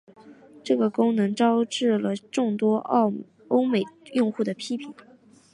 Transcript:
这个功能招致了众多欧美用户的批评。